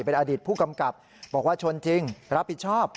เป็นอดีตผู้กำกับบอกว่าชนจริงรับผิดชอบ